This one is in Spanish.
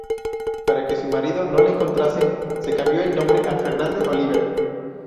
Para que su marido no la encontrase se cambió el nombre a Fernande Olivier.